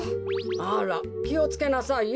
あらきをつけなさいよ。